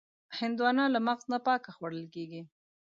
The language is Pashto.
هندوانه له مغز نه پاکه خوړل کېږي.